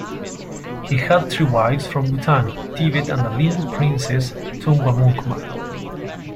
He had three wives from Bhutan, Tibet and a Limbu princess, Thungwamukma.